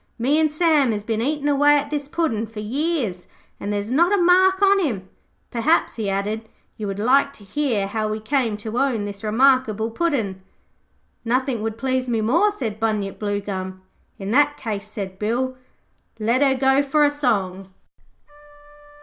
Me an' Sam has been eatin' away at this Puddin' for years, and there's not a mark on him. Perhaps,' he added, 'you would like to hear how we came to own this remarkable Puddin'.' 'Nothing would please me more,' said Bunyip Bluegum. 'In that case,' said Bill, 'let her go for a song.'